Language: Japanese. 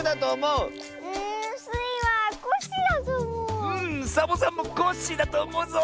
うんサボさんもコッシーだとおもうぞ！